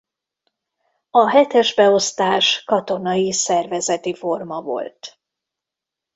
A hetes beosztás katonai szervezeti forma volt.